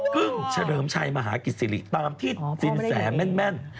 กึ้งเฉลิมชัยมหากิจศิริตามที่สินแสแม่น